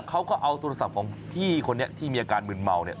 เขาก็เอาโทรศัพท์ของพี่คนนี้ที่มีอาการมืนเมาเนี่ย